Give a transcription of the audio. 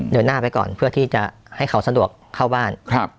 เดินหน้าไปก่อนเพื่อที่จะให้เขาสะดวกเข้าบ้าน